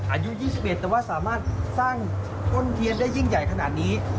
อายุ๒๑แต่ว่าสามารถสร้างต้นเทียนได้ยิ่งใหญ่ขนาดนี้